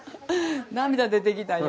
涙出てきたよ。